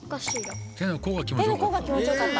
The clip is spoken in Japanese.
手の甲が気持ちよかった？